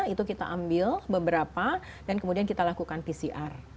itu kita ambil beberapa dan kemudian kita lakukan pcr